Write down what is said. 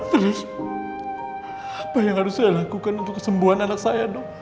terus apa yang harus saya lakukan untuk kesembuhan anak saya dong